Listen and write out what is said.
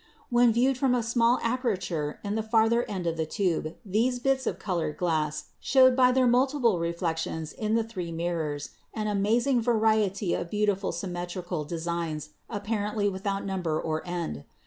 When viewed from a small aperture in the farther end of the tube these bits of col ored glass showed by their multiple reflections in the three mirrors an amazing variety of beautiful symmetrical de signs apparently without number or end.